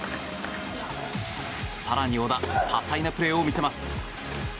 更に小田、多彩なプレーを見せます。